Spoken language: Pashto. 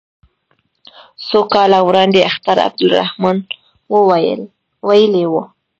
څو کاله وړاندې اختر عبدالرحمن ویلي وو.